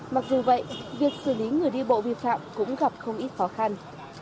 mặc dù vậy việc xử lý người đi bộ vi phạm cũng gặp không ít khó khăn